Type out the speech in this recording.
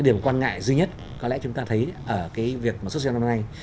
điểm quan ngại duy nhất có lẽ chúng ta thấy ở việc xuất siêu năm nay